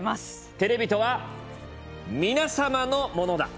テレビとはみなさまのものだ。